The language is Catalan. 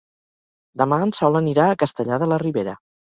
Demà en Sol anirà a Castellar de la Ribera.